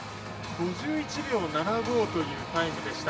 ５１秒７５というタイムでした。